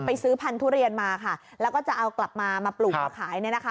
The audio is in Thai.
ซื้อพันธุเรียนมาค่ะแล้วก็จะเอากลับมามาปลูกมาขายเนี่ยนะคะ